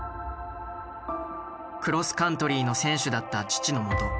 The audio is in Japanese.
クロスカントリーの選手だった父のもと